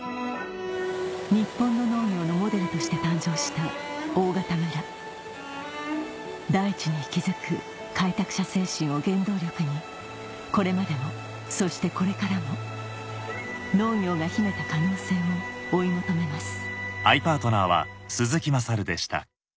日本の農業のモデルとして誕生した大潟村大地に息づく開拓者精神を原動力にこれまでもそしてこれからも農業が秘めた可能性を追い求めます